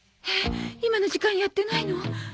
えっ今の時間やってないの？